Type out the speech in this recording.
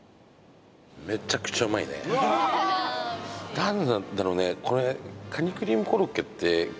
何なんだろうね